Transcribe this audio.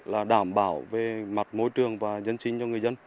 là đảm bảo về mặt môi trường và dân sinh cho người dân